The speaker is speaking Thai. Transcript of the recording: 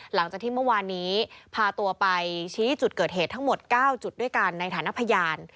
หลังจากที่เมื่อวานนี้พาตัวไปชี้จุดเกิดเหตุทั้งหมด๙จุดด้วยกันในฐานะพยาน